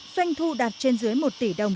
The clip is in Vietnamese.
doanh thu đạt trên dưới một tỷ đồng